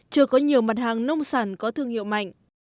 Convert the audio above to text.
chưa có nhiều mặt hàng nông sản có thương hiệu mạnh